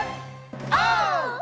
オー！